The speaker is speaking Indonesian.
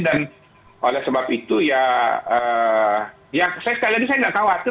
dan oleh sebab itu ya saya sekali lagi saya nggak khawatir lah dengan pks ya pasti akan paling konsisten